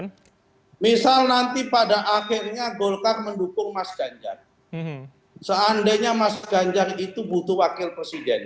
nah misal nanti pada akhirnya golkar mendukung mas ganjar seandainya mas ganjar itu butuh wakil presiden